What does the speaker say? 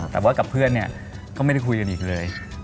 แต่ว่ากับเพื่อนเนี่ยก็ไม่ได้คุยกันอีกเลย